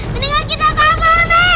mendingan kita kabur mi